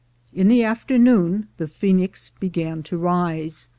In the afternoon the Phoenix began to rise.